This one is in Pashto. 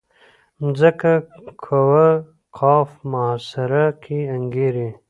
ځمکه کوه قاف محاصره کې انګېري.